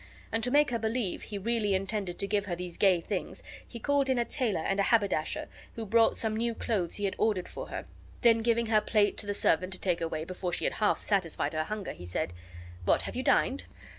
And to make her believe be really intended to give her these gay things, he called in a tailor and a haberdasher, who brought some new clothes he had ordered for her, and then, giving her plate to the servant to take away, before she had half satisfied her hunger, he said: "What, have you dined?"